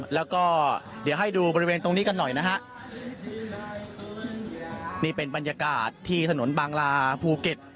แล้วก็เดี๋ยวให้ดูบริเวณตรงนี้กันหน่อยนะฮะนี่เป็นบรรยากาศที่ถนนบางลาภูเก็ต